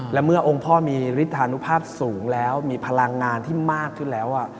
และเมื่อองค์พ่อมีฤทธานุภาพสูงแล้วมีพลังงานที่มากขึ้นแล้ว